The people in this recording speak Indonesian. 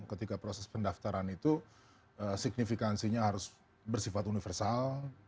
ketika proses pendaftaran itu signifikansinya harus bersifat universal